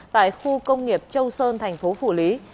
tại khu công nghiệp châu sơn thành phố phủ lý